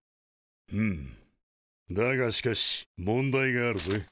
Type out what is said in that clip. ふむだがしかし問題があるぜ。